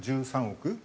１３億